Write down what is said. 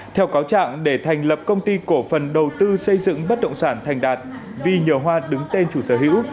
theo cáo trạng để thành lập công ty cổ phần đầu tư xây dựng bất động sản thành đạt vi nhờ hoa đứng tên chủ sở hữu